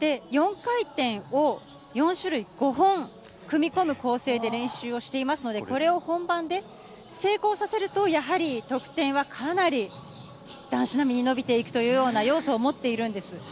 ４回転を４種類５本組み込む構成で練習をしていますので、これを本番で成功させると、やはり得点は、かなり男子並みに伸びていくというような要素を持っているんです。